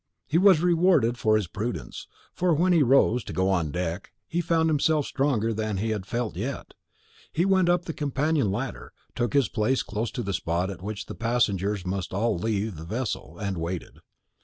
He was rewarded for his prudence; for when he rose to go on deck, he found himself stronger than he had felt yet. He went up the companion ladder, took his place close to the spot at which the passengers must all leave the vessel, and waited.